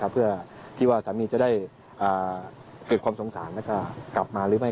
เพื่อที่ว่าสามีจะได้เกิดความสงสารแล้วก็กลับมาหรือไม่